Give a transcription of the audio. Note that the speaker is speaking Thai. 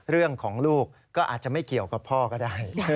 เรื่องของลูกก็อาจจะไม่เกี่ยวกับพ่อก็ได้